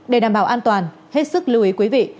để đảm bảo an toàn hết sức lưu ý quý vị